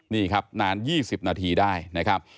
นี่ครับนาน๒๐นาทีได้นะครับ